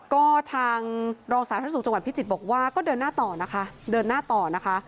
ก็ทางรองสาธารณสุขจังหวัดพิจิตรบอกว่าก็เดินหน้าต่อนะคะ